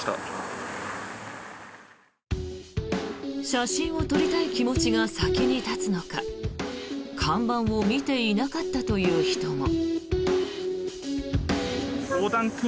写真を撮りたい気持ちが先に立つのか看板を見ていなかったという人も。